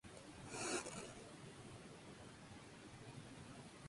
Dichos retos están diseñados por Anabel Alonso y son realizados por todos los concursantes.